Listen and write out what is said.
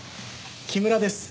木村です。